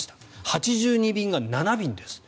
８２便が７便です。